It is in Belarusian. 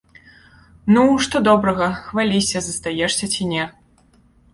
Ну, што добрага, хваліся, застаешся ці не?